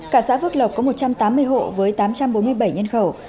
cả xã phước lộc có một trăm tám mươi hộ với tám trăm bốn mươi bảy nhân khẩu